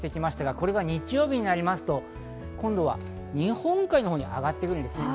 これが日曜日になりますと、今度は日本海のほうに上がっているんです。